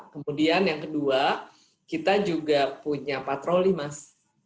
kemudian yang kedua kita juga punya patroli mas